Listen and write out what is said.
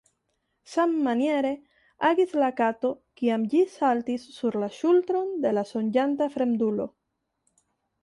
Sammaniere agis la kato, kiam ĝi saltis sur la ŝultron de la sonĝanta fremdulo.